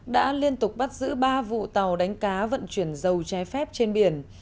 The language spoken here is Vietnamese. đã liên tục bắt giữ ba vụ tàu đánh cá vận chuyển dầu trái phép trên biển